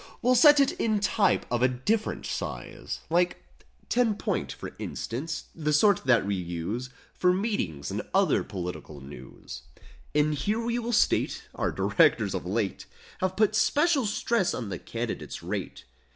We'll set it in type of a different size— Like 'Ten point' for instance, the sort that we use For meetings and other political news: And here we will state Our directors of late Have put special stress on the Candidate's rate."